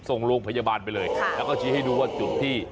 ส่งโรงพยาบาลไปเลยแล้วก็ชี้ให้ดูว่าจุดที่